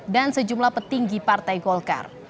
dan sejumlah petinggi partai golkar